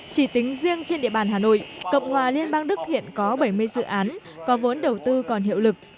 chỉ tính riêng trên địa bàn hà nội cộng hòa liên bang đức hiện có bảy mươi dự án có vốn đầu tư còn hiệu lực